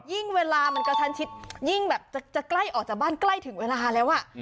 เวลามันกระทันชิดยิ่งแบบจะใกล้ออกจากบ้านใกล้ถึงเวลาแล้วอ่ะ